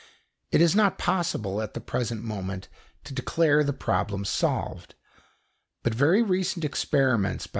It is not possible, at the present moment, to declare the problem solved; but very recent experiments by M.